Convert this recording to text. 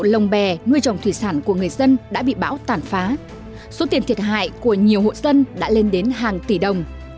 lồng bè nuôi trồng thủy sản của người dân đã bị bão tàn phá số tiền thiệt hại của nhiều hộ dân đã lên đến hàng tỷ đồng